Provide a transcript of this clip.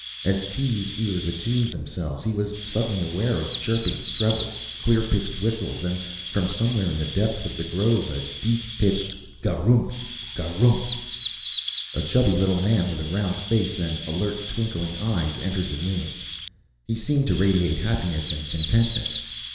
As Tee's ears attuned themselves he was suddenly aware of chirpings, trebles, clearpitched whistles, and from somewhere in the depths of the grove, a deep pitched ga rooph, ga roomph. A chubby little man with a round face and alert twinkling eyes entered the room. He seemed to radiate happiness and contentment.